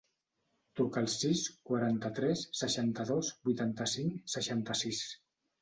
Truca al sis, quaranta-tres, seixanta-dos, vuitanta-cinc, seixanta-sis.